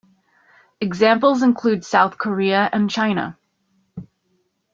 Examples include South Korea and China.